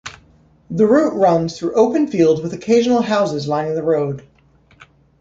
The route runs through open fields with occasional houses lining the road.